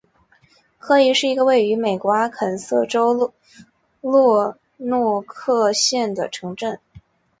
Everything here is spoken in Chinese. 科伊是一个位于美国阿肯色州洛诺克县的城镇。